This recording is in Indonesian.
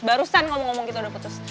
barusan ngomong ngomong kita udah putus